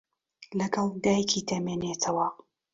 لەگەڵ دایکی دەمێنێتەوە.